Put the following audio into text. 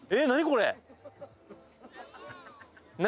これ何？